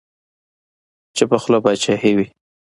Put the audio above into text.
چپه خوله باچاهي وي.